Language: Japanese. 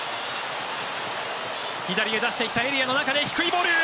左へ出していったエリアの中で、低いボール。